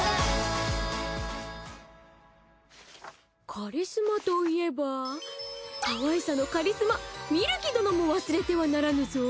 カリスマといえばかわいさのカリスマみるき殿も忘れてはならぬぞ！